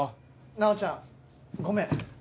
奈緒ちゃんごめん